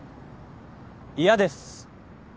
嫌です。